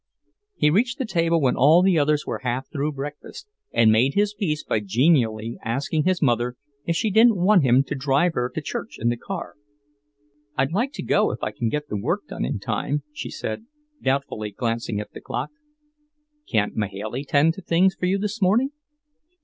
He reached the table when all the others were half through breakfast, and made his peace by genially asking his mother if she didn't want him to drive her to church in the car. "I'd like to go if I can get the work done in time," she said, doubtfully glancing at the clock. "Can't Mahailey tend to things for you this morning?"